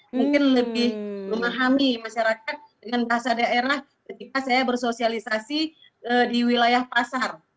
mungkin lebih memahami masyarakat dengan bahasa daerah ketika saya bersosialisasi di wilayah pasar